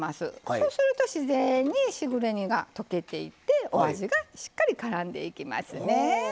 そうすると自然にしぐれ煮が溶けていってお味がしっかりからんでいきますね。